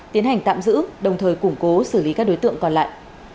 tiến hành tạm giữ đồng thời củng cố xử lý các đối tượng còn lại